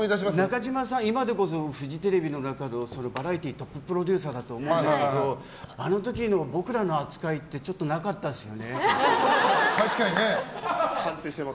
中嶋さんはフジテレビのバラエティーのトッププロデューサーだと思いますけどあの時の僕らの扱いってちょっとなかったですよね。